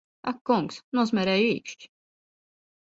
Ak kungs, nosmērēju īkšķi!